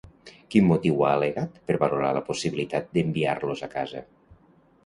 Quin motiu ha al·legat per valorar la possibilitat d'enviar-los a casa?